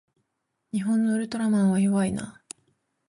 日本のウルトラマンは弱いな